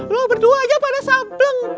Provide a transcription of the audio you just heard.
lo berduanya pada sableng